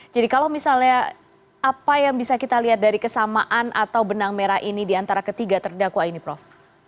jadi kalau misalnya apa yang bisa kita lihat dari kesamaan atau benang merah ini diantara ketiga terdakwa ini prof